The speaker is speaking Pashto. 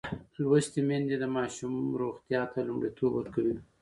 لوستې میندې د ماشوم روغتیا ته لومړیتوب ورکوي.